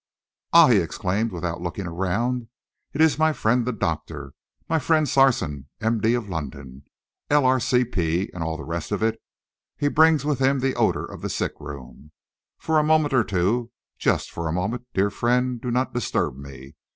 "Ah!" he exclaimed, without looking around, "it is my friend the doctor, my friend Sarson, M.D. of London, L.R.C.P. and all the rest of it. He brings with him the odour of the sick room. For a moment or two, just for a moment, dear friend, do not disturb me.